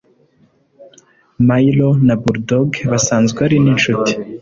Maylo na Bull Dogg basanzwe ari n'inshuti